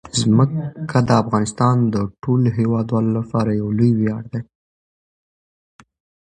ځمکه د افغانستان د ټولو هیوادوالو لپاره یو لوی ویاړ دی.